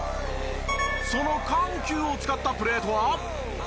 その緩急を使ったプレーとは？